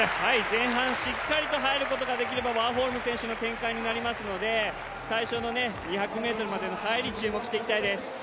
前半しっかり入ることができればワーホルムの展開になりますので最初の２００ｍまでの入りを注目していきたいですね。